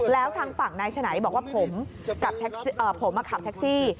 แล้วทางฝั่งนายฉนัยบอกว่าผมกับผมมาขับแท็กซี่